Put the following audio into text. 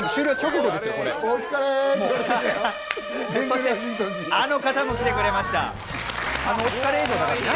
そして、あの方も来てくれました。